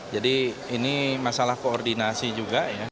jadi ini masalah koordinasi juga ya